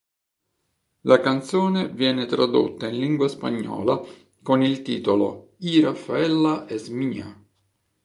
La canzone viene tradotta in lingua spagnola con il titolo "Y Raffaella es mía".